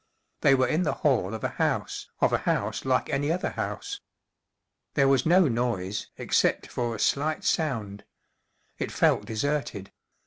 They were in the hall of a house, of a house like any other house. There was no noise, except for a slight sound. It felt de¬ serted.